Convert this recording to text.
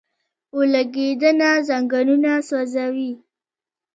اورلګیدنه ځنګلونه سوځوي